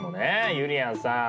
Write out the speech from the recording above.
ゆりやんさん